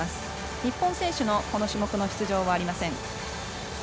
日本選手のこの種目の出場はありません。